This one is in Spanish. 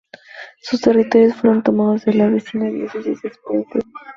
Sus territorios fueron tomados de la vecina Diócesis de Springfield.